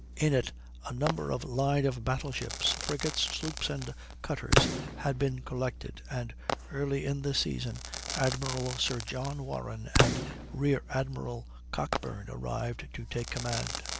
In it a number of line of battle ships, frigates, sloops, and cutters had been collected, and early in the season Admiral Sir John Warren and Rear Admiral Cockburn arrived to take command.